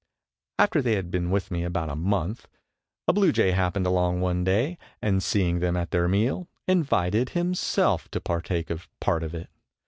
After they had been with me about a month, a bluejay happened along one day, and seeing them at their meal, invited himself to partake of part of it.